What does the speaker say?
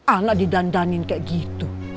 anak didandanin kayak gitu